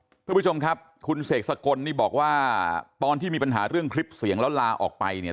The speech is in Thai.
คุณผู้ชมครับคุณเสกสกลนี่บอกว่าตอนที่มีปัญหาเรื่องคลิปเสียงแล้วลาออกไปเนี่ย